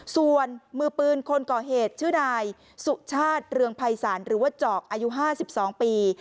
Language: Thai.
ส่วนมือปืนคนก่อเหตุชื่อนายสุชาติเรืองภัยศาลหรือว่าจอกอายุ๕๒ปี